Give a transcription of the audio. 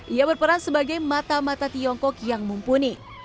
ia berperan sebagai mata mata tiongkok yang mumpuni